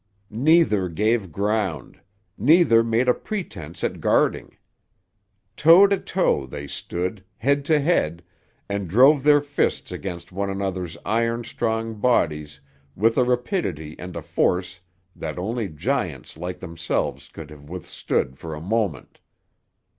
Neither gave ground; neither made a pretense at guarding. Toe to toe they stood, head to head, and drove their fists against one another's iron strong bodies with a rapidity and a force that only giants like themselves could have withstood for a moment.